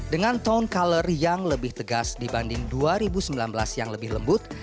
dengan tone color yang lebih tegas dibanding dua ribu sembilan belas yang lebih lembut